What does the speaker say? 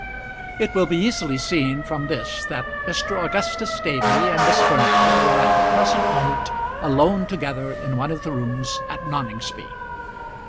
It will be easily seen from this that Mr. Augustus Staveley and Miss Furnival were at the present moment alone together in one of the rooms at Noningsby.